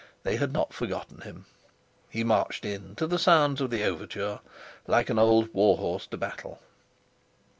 They had not forgotten him. He marched in, to the sounds of the overture, like an old war horse to battle.